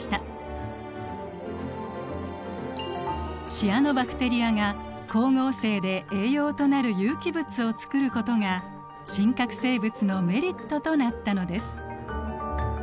シアノバクテリアが光合成で栄養となる有機物を作ることが真核生物のメリットとなったのです。